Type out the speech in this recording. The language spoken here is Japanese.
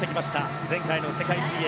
前回の世界水泳